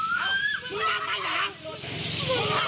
สวัสดีครับทุกคน